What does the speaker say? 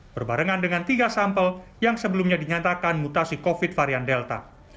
berbarengan dengan tiga sampel yang sebelumnya dinyatakan mutasi covid varian delta